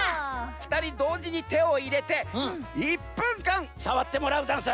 ふたりどうじにてをいれて１ぷんかんさわってもらうざんす。